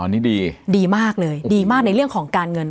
อันนี้ดีดีมากเลยดีมากในเรื่องของการเงิน